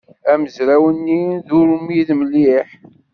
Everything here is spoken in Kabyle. Amezraw-nni d urmid mliḥ.